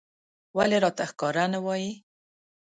ولې راته ښکاره نه وايې